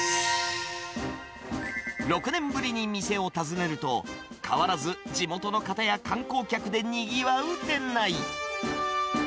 ６年ぶりに店を訪ねると、変わらず、地元の方や観光客でにぎわう店内。